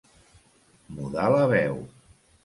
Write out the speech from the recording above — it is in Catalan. Mudar la veu.